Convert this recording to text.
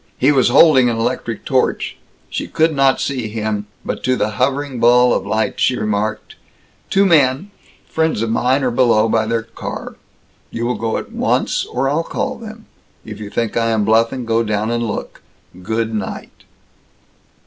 He was holding an electric, torch. She could not see him, but to the hovering ball of light she remarked, "Two men, friends of mine, are below, by their car. You will go at once, or I'll call them. If you think I am bluffing, go down and look. Good night!"